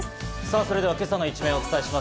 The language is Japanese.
それでは今朝の一面をお伝えします。